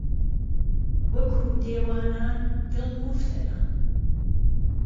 وهکوو دێوانان دڵ موفتهلام